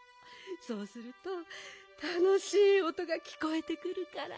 そうするとたのしいおとがきこえてくるから。